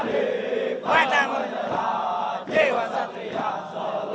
ini langkah mil